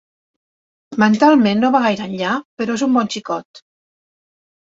Mentalment no va gaire enllà, però és un bon xicot.